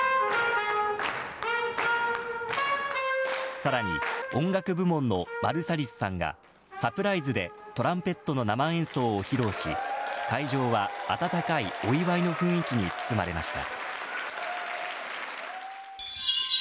さらに音楽部門のマルサリスさんがサプライズでトランペットの生演奏を披露し会場は、温かいお祝いの雰囲気に包まれました。